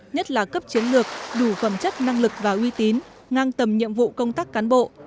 nhất là cấp chiến lược đủ phẩm chất năng lực và uy tín ngang tầm nhiệm vụ công tác cán bộ